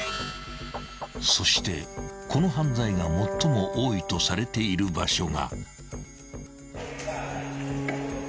［そしてこの犯罪が最も多いとされている場所が］